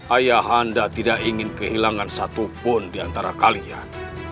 ayah anda tidak ingin kehilangan satupun diantara kalian